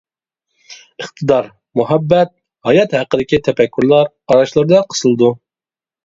ئىقتىدار، مۇھەببەت، ھايات ھەققىدىكى تەپەككۇرلار ئاراچلىرىدا قىسىلىدۇ.